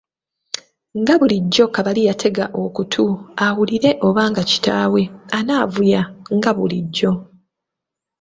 Nga bulijjo Kabali yatega okutu awulire oba nga kitaawe anaavuya nga bulijjo.